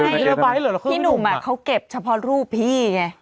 พี่หนุ่มเขาเก็บเฉพาะรูปพี่ไง